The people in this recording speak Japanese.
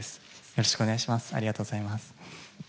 よろしくお願いします。